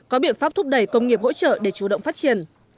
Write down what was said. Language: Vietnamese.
có biện pháp thúc đẩy công nghiệp hỗ trợ để chủ động phát triển